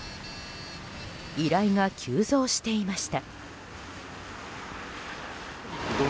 依頼が急増していました。